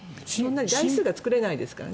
台数が作れないですからね。